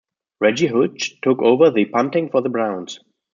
Reggie Hodges took over the punting for the Browns.